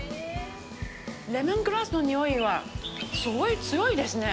レモングラスの匂いはすごい強いですね。